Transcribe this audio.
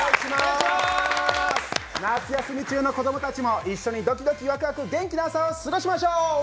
夏休み中の子供たちも一緒にドキドキワクワク一緒に元気な夏を過ごしましょう！